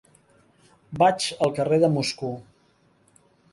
Vaig al carrer de Moscou.